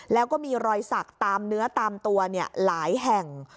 แล้วก็มีรอยสักตามเนื้อตามตัวหลายแห่ง